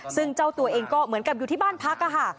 ซึ่งเจ้าตัวเองก็เหมือนกับอยู่ที่บ้านพักค่ะ